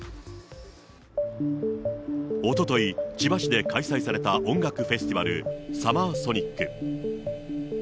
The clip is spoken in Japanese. おととい、千葉市で開催された音楽フェスティバル、サマーソニック。